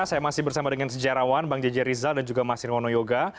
saya masih bersama dengan sejarawan bang jj rizal dan juga mas nirwono yoga